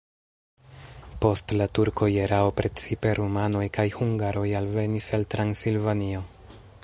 Post la turkoj erao precipe rumanoj kaj hungaroj alvenis el Transilvanio.